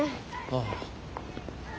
ああ。